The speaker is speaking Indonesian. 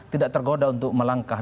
tidak tergoda untuk melangkah